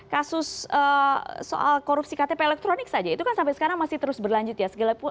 kasus soal korupsi ktp elektronik saja itu kan sampai sekarang masih terus berlanjut ya